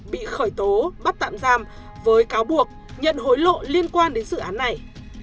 bị khởi tố bắt tạm giam với cáo buộc nhận hối lộ liên quan đến dự án này